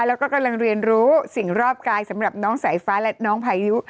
แล้วก็กำลังเรียนรู้สิ่งรอบกายสำหรับน้องสายฟ้าและน้องพายุ